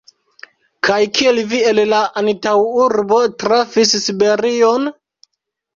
Kaj kiel vi el la antaŭurbo trafis Siberion?